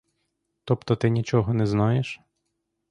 Тобто ти нічого не знаєш?